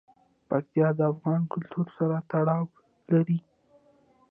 پکتیا د افغان کلتور سره تړاو لري.